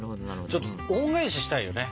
ちょっと恩返ししたいよね。